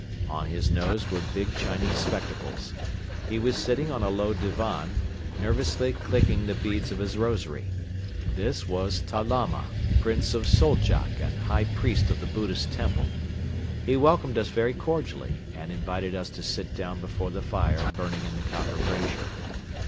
On his nose were big Chinese spectacles. He was sitting on a low divan, nervously clicking the beads of his rosary. This was Ta Lama, Prince of Soldjak and High Priest of the Buddhist Temple. He welcomed us very cordially and invited us to sit down before the fire burning in the copper brazier.